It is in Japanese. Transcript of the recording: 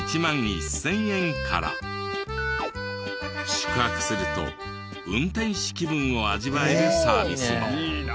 宿泊すると運転士気分を味わえるサービスも。